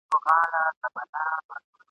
نه مي ږغ له ستوني وزي نه د چا غوږ ته رسېږم ..